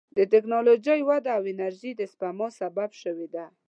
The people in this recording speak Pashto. د ټکنالوجۍ وده د انرژۍ د سپما سبب شوې ده.